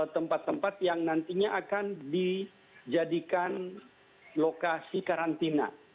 tempat tempat yang nantinya akan dijadikan lokasi karantina